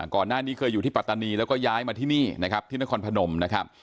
ก่อนหน้านี้เคยอยู่ที่ปัตตานีแล้วก็ย้ายมาที่นี่นะครับที่นครพนมนะครับ